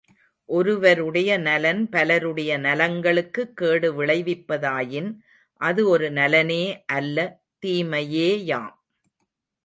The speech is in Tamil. ஒருவருடைய நலன் பலருடைய நலங்களுக்கு கேடுவிளைவிப்பதாயின் அது ஒரு நலனே அல்ல தீமையேயாம்.